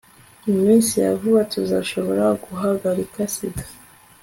mu minsi ya vuba, tuzashobora guhagarika sida